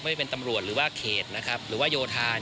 ไม่เป็นตำรวจหรือว่าเขตนะครับหรือว่าโยธา